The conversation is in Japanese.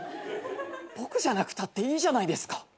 僕じゃなくたっていいじゃないですか。